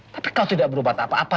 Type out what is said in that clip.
tapi kau tidak berubah tak apa apa